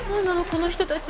この人たち。